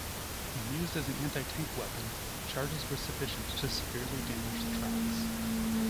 When used as an anti-tank weapon, charges were sufficient to severely damage the tracks.